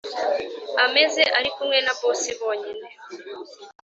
ameze arikumwe na boss bonyine